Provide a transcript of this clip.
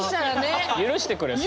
許してくれそう。